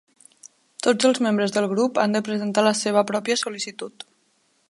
Tots els membres del grup han de presentar la seva pròpia sol·licitud.